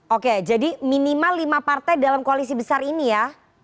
oke jadi minimal lima partai dalam koalisi besar ini ya